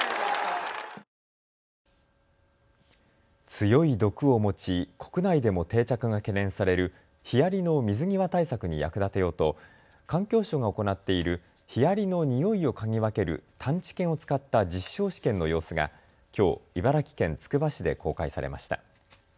強い毒を持ち国内でも定着が懸念されるヒアリの水際対策に役立てようと環境省が行っているヒアリのにおいを嗅ぎ分ける探知犬を使った実証試験の様子がきょう茨城県つくば市で公開されました。